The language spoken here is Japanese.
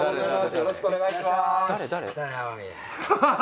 よろしくお願いします。